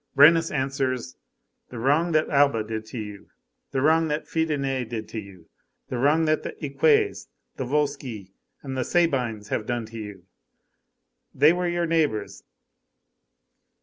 Brennus answers: 'The wrong that Alba did to you, the wrong that Fidenæ did to you, the wrong that the Eques, the Volsci, and the Sabines have done to you. They were your neighbors.